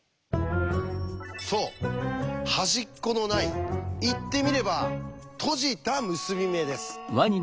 そう端っこのない言ってみれば閉じた結び目です。